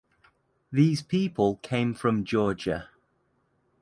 These people came from Georgia.